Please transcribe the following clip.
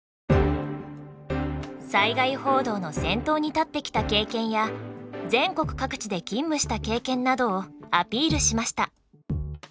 災害報道の先頭に立ってきた経験や全国各地で勤務した経験などをアピールしました。